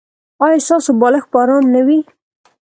ایا ستاسو بالښت به ارام نه وي؟